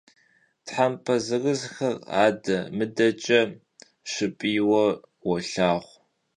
Thempe zırızxer ade - mıdeç'e şıp'iyue vuolhağu.